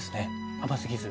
甘すぎず。